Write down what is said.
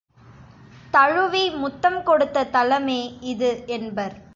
தழுவி முத்தம் கொடுத்த தலமே இது என்பர்.